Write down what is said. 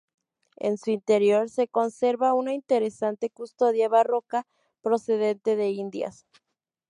En su interior se conserva una interesante custodia barroca procedente de Indias.